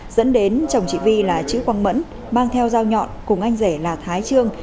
dẫn đến chồng chị vi là chữ quang mẫn mang theo dao nhọn cùng anh rể là thái trương